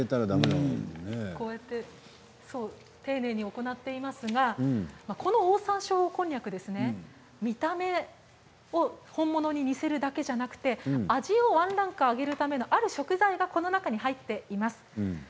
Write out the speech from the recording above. こうやって丁寧に行っていますがこのオオサンショウウオこんにゃく見た目を本物に似せるだけではなくて、味もワンランク上げるためのある食材がこの中に入っています。